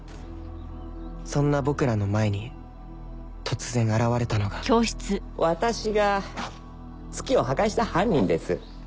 そんな僕らの前に突然現れたのが私が月を破壊した犯人です